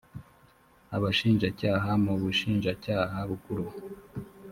abashinjacyaha mu bushinjacyaha bukuru